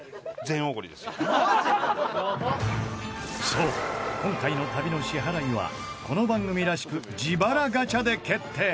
そう、今回の旅の支払いはこの番組らしく自腹ガチャで決定！